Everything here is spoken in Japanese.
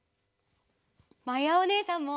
まやおねえさんも！